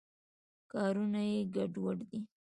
کارونه یې ګډوډ دي.